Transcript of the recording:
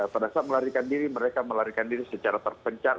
pada saat melarikan diri mereka melarikan diri secara terpencar